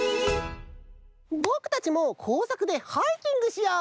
ぼくたちも工作でハイキングしよう！